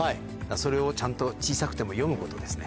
それをちゃんと小さくても読むことですね。